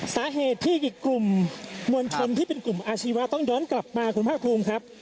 สาเหตุที่อีกกลุ่มมวลชนที่เป็นกลุ่มอาชีวะต้องย้อนกลับมาคุณภาคภูมิครับ